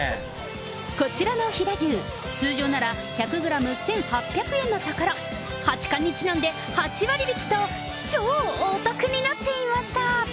こちらの飛騨牛、通常なら１００グラム１８００円のところ、八冠にちなんで８割引きと、超お得になっていました。